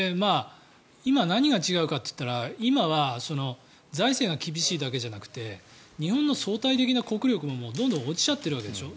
今、何が違うかといったら今は財政が厳しいだけじゃなくて日本の相対的な国力もどんどん落ちちゃってるわけでしょ。